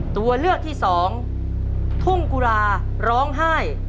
ตัวเลือกที่สองทุ่งกุราร้องไห้